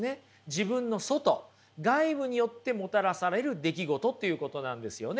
自分の外外部によってもたらされる出来事ということなんですよね。